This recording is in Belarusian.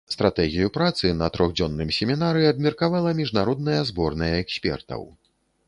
Стратэгію працы на трохдзённым семінары абмеркавала міжнародная зборная экспертаў.